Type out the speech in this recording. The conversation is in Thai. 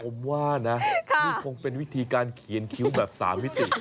ผมว่านะนี่คงเป็นวิธีการเขียนคิ้วแบบ๓มิติ